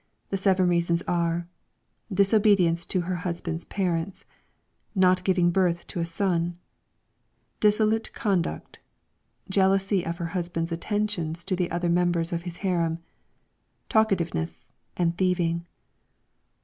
... The seven reasons are : Disobedience to her husband's parents ; not giving birth to a son; dissolute conduct; jealousy of her husband's attentions to the other members of his harem ; talkative ness ; and thieving.